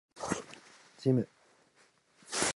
ジム